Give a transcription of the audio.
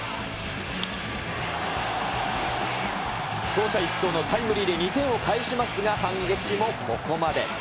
走者一掃のタイムリーで２点を返しますが、反撃もここまで。